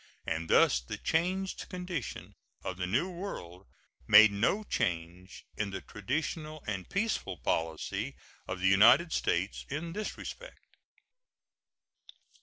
And thus the changed condition of the New World made no change in the traditional and peaceful policy of the United States in this respect.